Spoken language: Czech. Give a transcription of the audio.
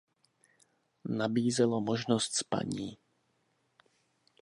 Nabízelo možnost spaní.